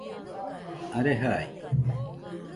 are jaide